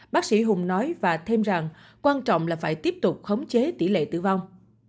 bác sĩ hùng nói và thêm rằng quan trọng là phải tiếp tục khống chế tỷ lệ tử vong